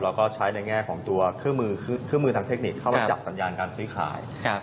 แล้วก็ใช้ในแง่ของตัวเครื่องมือทางเทคนิคเข้ามาจับสัญญาณการซื้อขาย